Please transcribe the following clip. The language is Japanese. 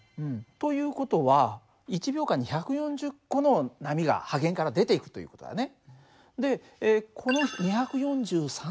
という事は１秒間に１４０個の波が波源から出ていくという事だね。